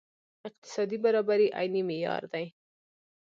اقتصادي برابري عیني معیار دی.